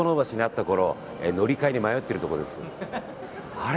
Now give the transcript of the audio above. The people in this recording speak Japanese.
あれ？